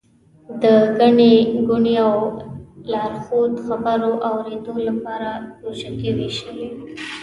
د ګڼې ګوڼې او لارښود خبرو اورېدو لپاره ګوشکۍ ووېشلې.